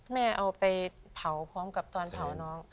เอาไปเผาพร้อมกับตอนเผาน้อง